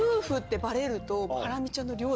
バレるとハラミちゃんの。